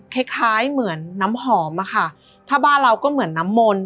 คล้ายคล้ายเหมือนน้ำหอมอะค่ะถ้าบ้านเราก็เหมือนน้ำมนต์